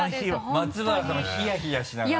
松原さんもヒヤヒヤしながら。